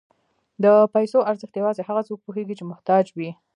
د پیسو ارزښت یوازې هغه څوک پوهېږي چې محتاج وي.